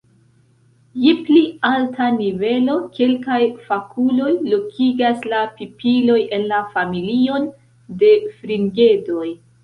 Je pli alta nivelo, kelkaj fakuloj lokigas la pipiloj en la familion de Fringedoj.